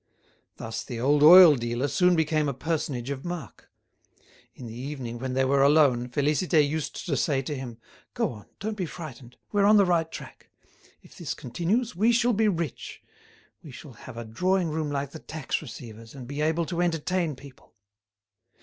Thus, the old oil dealer soon became a personage of mark. In the evening, when they were alone, Félicité used to say to him: "Go on, don't be frightened. We're on the right track. If this continues we shall be rich; we shall have a drawing room like the tax receiver's, and be able to entertain people."